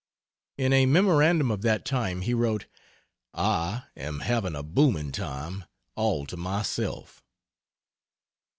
In a memorandum of that time he wrote: "I am having a booming time all to myself."